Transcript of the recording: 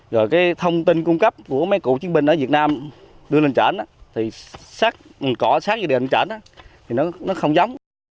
rồi cái thông tin cung cấp của mấy cụ chiến binh ở việt nam đưa lên trển thì sát cỏ sát về địa hình trển thì nó không giống